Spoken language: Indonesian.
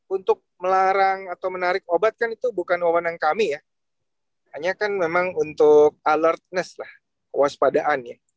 untuk melarang atau menarik obat kan itu bukan wawanan kami ya hanya kan memang untuk alertness lah kewaspadaan ya